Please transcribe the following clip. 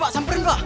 sampai dulu pak